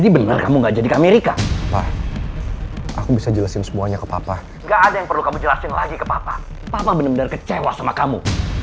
menaruh harapan besar buat kamu